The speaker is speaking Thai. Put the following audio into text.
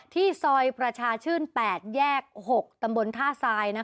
ที่ซอยประชาชื่น๘แยก๖ตำบลท่าทราย